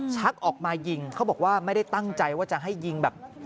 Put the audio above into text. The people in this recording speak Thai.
ชักออกมายิงเขาบอกว่าไม่ได้ตั้งใจว่าจะให้ยิงแบบ